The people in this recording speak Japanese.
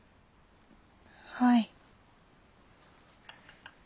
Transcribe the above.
はい。